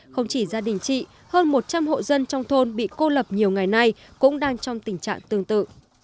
không chỉ gia đình chị hơn một trăm linh hộ dân trong thôn bị cô lập nhiều ngày nay cũng đang trong tình trạng tương tự